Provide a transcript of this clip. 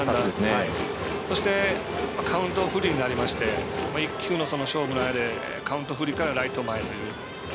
そしてカウント不利になりまして１球の勝負の中でカウント不利からライト前という。